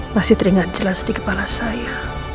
masih teringat jelas di kepala saya